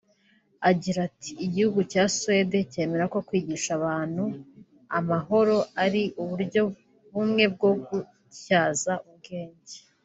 Agira ati” Igihugu cya Suwedi cyemera ko kwigisha abantu amahoro ari uburyo bumwe bwo gutyaza ubwenge